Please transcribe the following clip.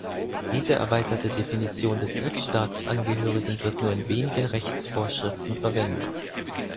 Diese erweiterte Definition des Drittstaatsangehörigen wird nur in wenigen Rechtsvorschriften verwendet.